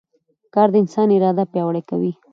کار د انسان اراده پیاوړې کوي